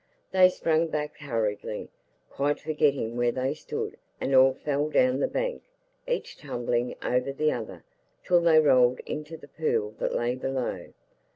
They sprang back hurriedly, quite forgetting where they stood, and all fell down the bank, each tumbling over the other, till they rolled into the pool that lay below.